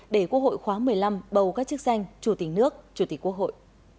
để quốc hội khóa một mươi năm bầu các chức danh chủ tịch nước chủ tịch quốc hội